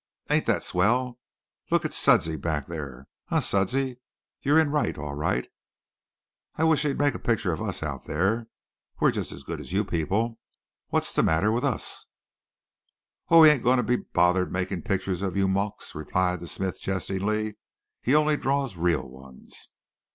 Ain't that swell? Lookit Suddsy back in there. Eh, Suddsy, you're in right, all right. I wisht he'd make a picture o' us out there. We're just as good as you people. Wats the matter with us, eh?" "Oh, he ain't goin' to be bothered makin' pitchers of you mokes," replied the smith jestingly. "He only draws real ones.